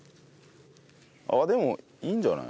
あっでもいいんじゃない？